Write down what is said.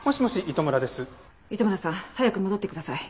糸村さん早く戻ってください。